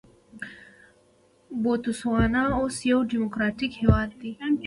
بوتسوانا اوس یو ډیموکراټیک هېواد دی.